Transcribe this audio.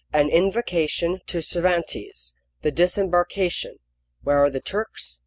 An Invocation to Cervantes The Disembarkation Where are the Turks?